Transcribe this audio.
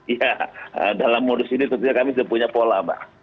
ya dalam modus ini tentunya kami sudah punya pola mbak